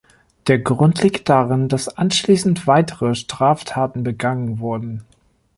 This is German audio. Der Grund liegt darin, dass anschließend weitere Straftaten begangen wurden.